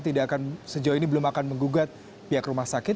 tidak akan sejauh ini belum akan menggugat pihak rumah sakit